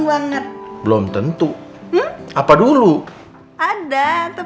waalaikumsalam warahmatullahi wabarakatuh